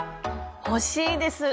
欲しいです！